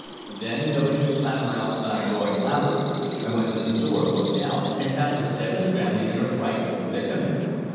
Then, noting the clamor outside growing louder, I went to the door and looked out, and found the Stebbins family in a frightful predicament.